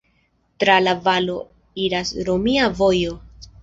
Tra la valo iras romia vojo.